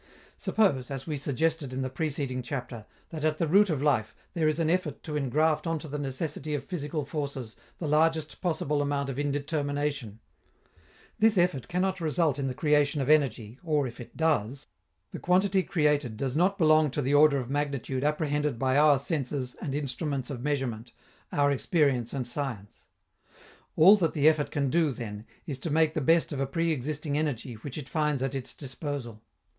Suppose, as we suggested in the preceding chapter, that at the root of life there is an effort to engraft on to the necessity of physical forces the largest possible amount of indetermination. This effort cannot result in the creation of energy, or, if it does, the quantity created does not belong to the order of magnitude apprehended by our senses and instruments of measurement, our experience and science. All that the effort can do, then, is to make the best of a pre existing energy which it finds at its disposal.